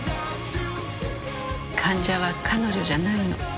患者は彼女じゃないの。